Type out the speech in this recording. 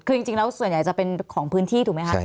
คือจริงแล้วส่วนใหญ่จะเป็นของพื้นที่ถูกไหมคะ